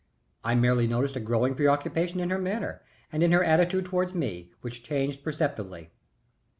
I merely noticed a growing preoccupation in her manner and in her attitude towards me, which changed perceptibly.